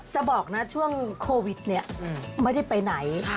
จะบอกนะช่วงโควิดเนี่ยไม่ได้ไปไหน